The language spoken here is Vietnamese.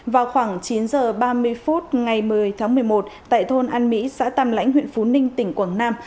vào khoảng chín h ba mươi phút ngày một mươi tháng một mươi một tại thôn an mỹ xã tàm lãnh huyện phú ninh tỉnh quảng nam